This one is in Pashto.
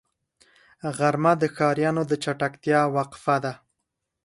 غرمه د ښاريانو د چټکتیا وقفه ده